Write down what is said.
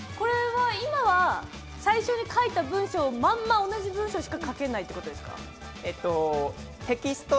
今は最初に書いた文章をまんまその文章しか書けないということですか？